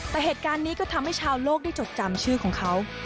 แต่เหตุการณ์นี้ก็ทำให้ชาวโลกได้จดจำชื่อของเขา